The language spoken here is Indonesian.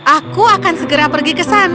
aku akan segera pergi ke sana